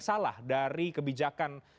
salah dari kebijakan